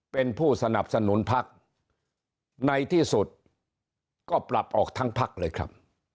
เป็นผู้สนับสนุนพักในที่สุดก็ปรับออกทั้งพักเลยครับ